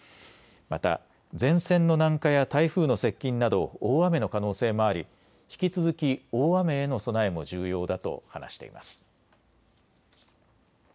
また前線の南下や台風の接近など大雨の可能性もあり引き続き大雨への備えも重要だと話しています。